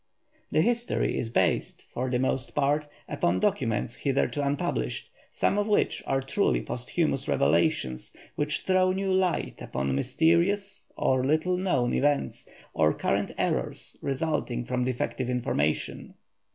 This history is based, for the most part, upon documents hitherto unpublished, some of which are truly posthumous revelations which throw new light upon mysterious or little known events, or correct errors resulting from defective information.